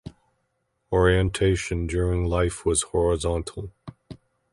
Orientation during life was horizontal.